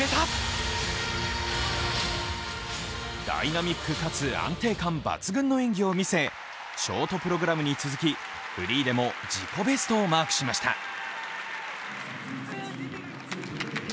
ダイナミックかつ安定感抜群の演技を見せショートプログラムに続き、フリーでも自己ベストをマークしました。